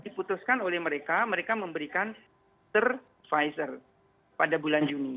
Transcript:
diputuskan oleh mereka mereka memberikan booster pfizer pada bulan juni